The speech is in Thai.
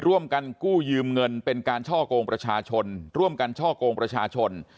ร่วมกันกู้ยืมเงินเป็นการช่อกงประชาชนร่วมกันช่อกงประชาชน